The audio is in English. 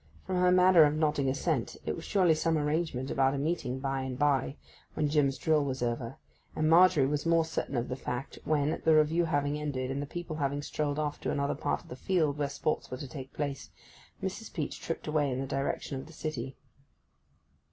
From her manner of nodding assent it was surely some arrangement about a meeting by and by when Jim's drill was over, and Margery was more certain of the fact when, the Review having ended, and the people having strolled off to another part of the field where sports were to take place, Mrs. Peach tripped away in the direction of the city.